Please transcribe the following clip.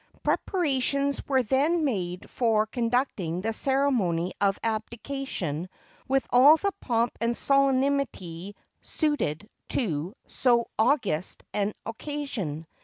] Preparations were then made for conducting the cere mony of abdication with all the pomp and solemnity suited to so august an occasion.